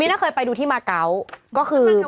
ถ้าเคยไปดูที่มาเกาะก็คือ